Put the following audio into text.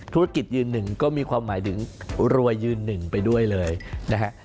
ธุรกิจยืนหนึ่งก็มีความหมายถึงรวยยืนหนึ่งไปด้วยเลยนะฮะ